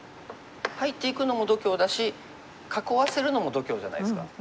入っていくのも度胸だし囲わせるのも度胸じゃないですか。